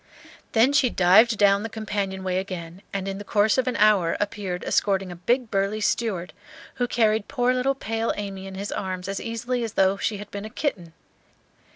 Then she dived down the companion way again, and in the course of an hour appeared escorting a big burly steward, who carried poor little pale Amy in his arms as easily as though she had been a kitten.